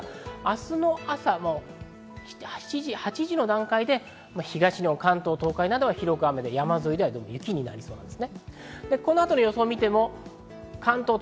明日の朝、７８時の段階で東日本、関東、東海などは広く雨で山沿いでは雪になりそうです。